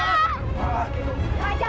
pak jangan pak